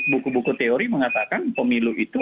buku buku teori mengatakan pemilu itu